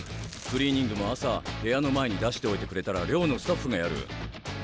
クリーニングも朝部屋の前に出しておいてくれたら寮のスタッフがやる。